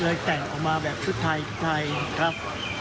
เลยแต่งออกมาแบบชุดไทยครับ